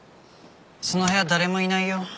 その部屋誰もいないよ。